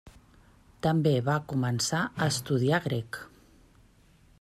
També va començar a estudiar grec.